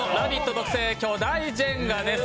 特製巨大ジェンガです